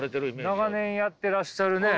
長年やってらっしゃるね